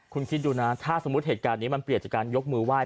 คุณคิดดูนะถ้าสมมุติเหตุการณ์นี้มันเปลี่ยนจากการยกมือไห้